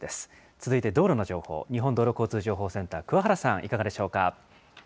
続いて道路の情報、日本道路交通情報センター、原さん、いかがでしょうか。